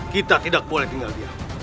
kita tidak boleh tinggal diam